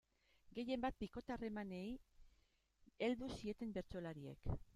Gehienbat, bikote-harremanei heldu zieten bertsolariek.